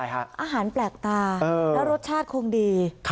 อาหารแปลกตาแล้วรสชาติคงดี